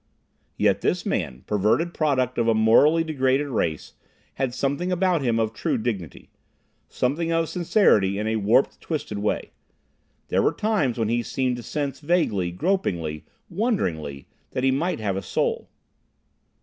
Yet this man, perverted product of a morally degraded race, had about him something of true dignity; something of sincerity, in a warped, twisted way. There were times when he seemed to sense vaguely, gropingly, wonderingly, that he might have a soul.